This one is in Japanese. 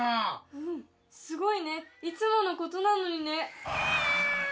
うんすごいねいつものことなのにね。